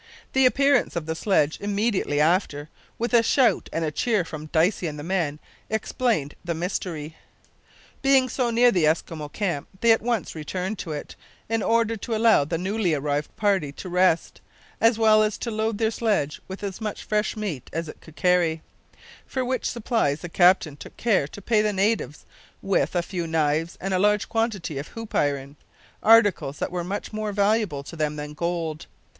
The appearance of the sledge immediately after, with a shout and a cheer from Dicey and the men, explained the mystery. Being so near the Eskimo camp they at once returned to it, in order to allow the newly arrived party to rest, as well as to load their sledge with as much fresh meat as it could carry; for which supplies the captain took care to pay the natives with a few knives and a large quantity of hoop iron articles that were much more valuable to them than gold.